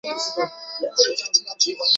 皇后闭门藏在墙内。